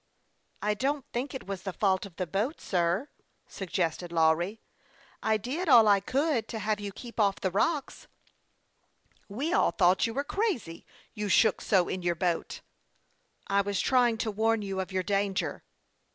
" I don't think it was the fault of the boat, sir,' 1 suggested Lawry. " I did all I could to have yotf keep off the rocks." 70 HASTE AND WASTE, OR " We all thought you were crazy, you shook so in your boat." " I was trying to warn you of your danger."